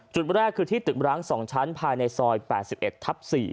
จุดแรกคือที่ตึกร้าง๒ชั้นภายในซอย๘๑ทับ๔